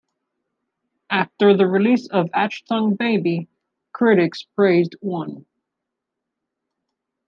After the release of "Achtung Baby", critics praised "One".